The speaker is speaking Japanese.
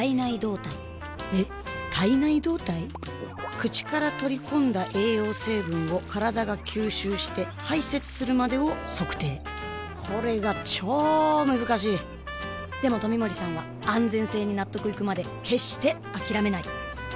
口から取り込んだ栄養成分を体が吸収して排泄するまでを測定これがチョー難しいでも冨森さんは安全性に納得いくまで決してあきらめない！